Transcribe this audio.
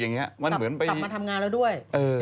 แล้วมาทำงานแล้วด้วย